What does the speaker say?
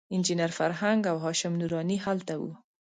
انجینر فرهنګ او هاشم نوراني هلته وو.